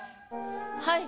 はい。